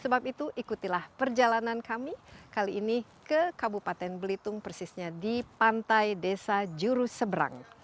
sebab itu ikutilah perjalanan kami kali ini ke kabupaten belitung persisnya di pantai desa jurusebrang